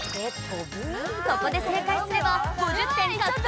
ここで正解すれば５０点獲得！